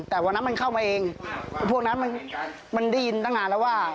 แต่วันนั้นมันเข้ามาเองพวกนั้นมันได้ยินตั้งนานแล้วว่า